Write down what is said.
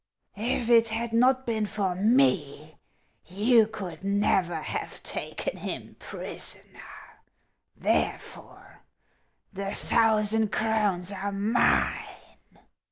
If it had not been for me, you could never have taken him prisoner; therefore the thousand crowns are mine."